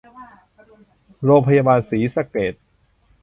โรงพยาบาลศรีสะเกษ